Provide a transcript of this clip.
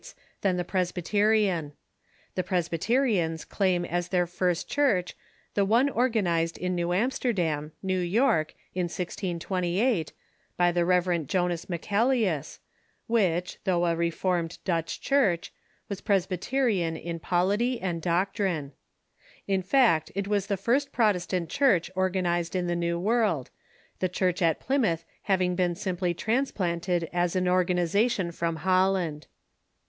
s than the Presbyterian. The „.. Presbyterians claim as their first Church the one or Beginnings •'■• kt 4 t / vt it i v . ganized in JNew Amsterdam [New lork) in 1628, by the Rev. Jonas Michaelius, which, though a Reformed Dutcli Church, was Presbyterian in polity and doctrine. In fact, it was the first Protestant Church organized in the New World, the Church at Plymouth having been simply transplanted as an organization from Holland.